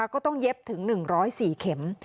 ต้องเย็บถึง๑๐๔เข็ม